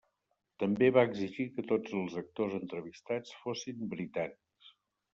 També va exigir que tots els actors entrevistats fossin britànics.